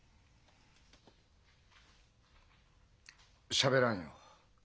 しゃべらんよ。